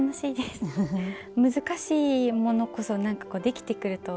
難しいものこそなんかできてくると。